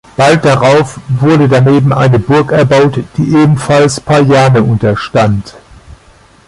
Bald darauf wurde daneben eine Burg erbaut, die ebenfalls Payerne unterstand.